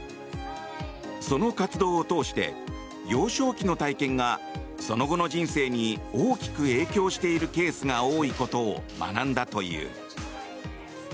その活動を通して幼少期の体験が、その後の人生に大きく影響しているケースが多いことを学んだという。